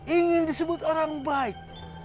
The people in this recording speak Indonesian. ingin disebut orang baik